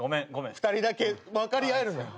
２人だけ分かり合えるのよ。